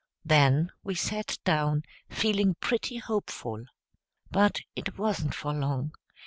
Then we sat down, feeling pretty hopeful. But it wasn't for long.